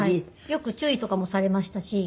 よく注意とかもされましたし。